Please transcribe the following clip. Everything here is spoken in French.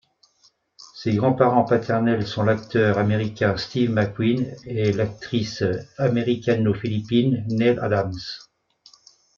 Ses grands-parents paternels sont l'acteur américain Steve McQueen et l'actrice américano-philippine Neile Adams.